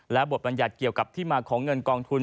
และบทบรรยัติเกี่ยวกับที่มาของเงินกองทุน